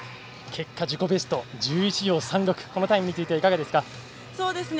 結果、自己ベスト１１秒３６このタイム、いかがですか？